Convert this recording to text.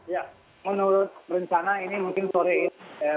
ya menurut rencana ini mungkin sore ini